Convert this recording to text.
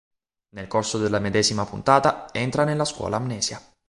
Nel corso della medesima puntata, entra nella scuola Amnesia.